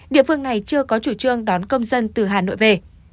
địa phương này chưa có chủ trương đón công dân từ hà nội về